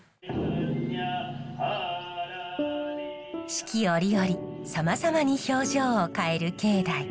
四季折々さまざまに表情を変える境内。